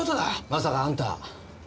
まさかあんた。